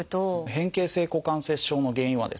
変形性股関節症の原因はですね